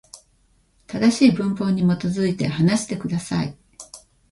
正しい文法に基づいて、話してください。